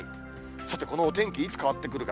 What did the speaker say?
さて、このお天気、いつ変わってくるか。